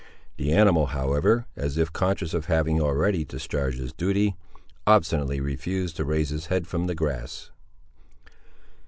The animal however, as if conscious of having, already, discharged his duty, obstinately refused to raise his head from the grass.